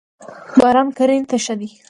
باران کرنی ته ښه دی.